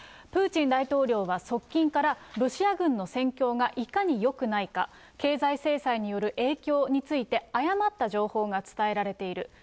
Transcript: プーチン大統領は側近から、ロシア軍の戦況がいかによくないか、経済制裁による影響について、誤った情報が伝えられている。